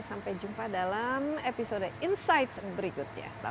sampai jumpa dalam episode insight berikutnya